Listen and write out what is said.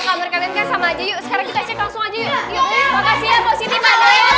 kamu kan sama aja yuk sekarang kita langsung aja